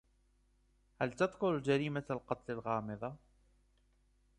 هل تذكر جريمة القتل الغامضة ؟